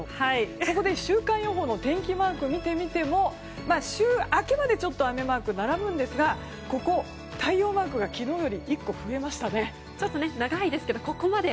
そこで週間予報の天気マークを見てみても週明けまで雨マークが並ぶんですが、ここ太陽マークが昨日より１個増えましたね。